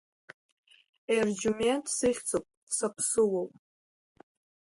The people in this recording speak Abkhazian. Ерџьумент сыхьӡуп, саԥсуоуп.